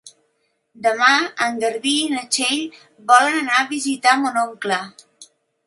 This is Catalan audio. Demà en Garbí i na Txell volen anar a visitar mon oncle.